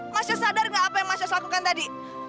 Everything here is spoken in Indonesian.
mas yos sadar gak apa yang mas yos lakukan tadi